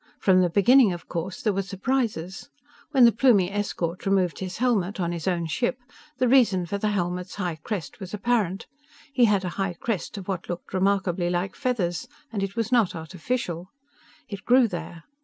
From the beginning, of course, there were surprises. When the Plumie escort removed his helmet, on his own ship, the reason for the helmet's high crest was apparent. He had a high crest of what looked remarkably like feathers and it was not artificial. It grew there.